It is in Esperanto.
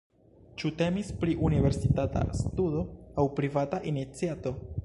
Ĉu temis pri universitata studo aŭ privata iniciato?